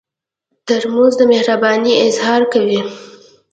ترموز د مهربانۍ اظهار کوي.